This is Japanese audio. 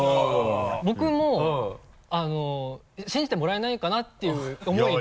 僕も信じてもらえないかな？っていう思いで。